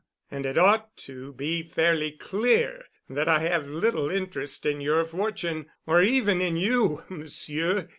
And it ought to be fairly clear that I have little interest in your fortune or even in you, Monsieur.